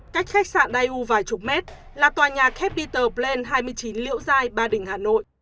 cách khách sạn dai u vài chục mét là tòa nhà capitol plain hai mươi chín liễu giai ba đình hà nội